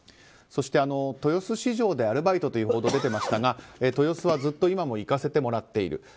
そして、豊洲市場でアルバイトという報道が出ていましたが豊洲はずっと今も行かせてもらっている。